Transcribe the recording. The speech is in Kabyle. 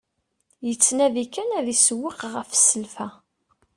Yettnadi kan ad isewweq ɣef selfa.